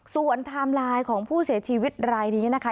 ส่วนไทม์ไลน์ของผู้เสียชีวิตรายนี้นะคะ